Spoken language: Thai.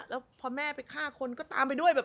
แล้วพอแม่ไปฆ่าคนก็ตามไปด้วยแบบ